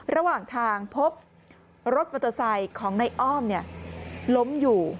ระหว่างทางพบรถมอเตอร์ไซค์ของในอ้อมล้มอยู่